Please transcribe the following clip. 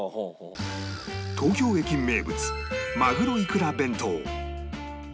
東京駅名物まぐろいくら弁当